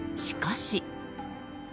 しかし。